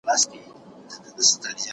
کمپيوټر ته ريسټارټول ګټه رسوي.